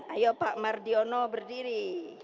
ayo pak mardiono berdiri